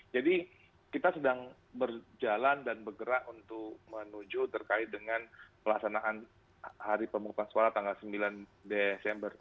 jadi kita sedang berjalan dan bergerak untuk menuju terkait dengan pelaksanaan hari pemukulkan suara tanggal sembilan desember